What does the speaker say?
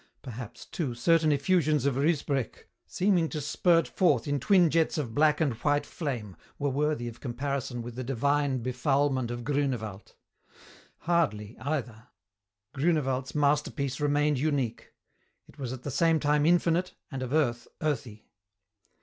Perhaps, too, certain effusions of Ruysbroeck, seeming to spurt forth in twin jets of black and white flame, were worthy of comparison with the divine befoulment of Grünewald. Hardly, either. Grünewald's masterpiece remained unique. It was at the same time infinite and of earth earthy.